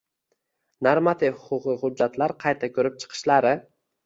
normativ-huquqiy hujjatlar qayta ko‘rib chiqishlari